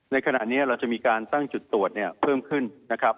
ในขณะนี้เราจะมีการตั้งจุดตรวจเนี่ยเพิ่มขึ้นนะครับ